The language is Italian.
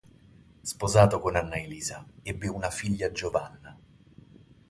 Sposato con Anna Elisa, ebbe una figlia Giovanna.